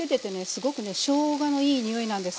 すごくねしょうがのいい匂いなんです。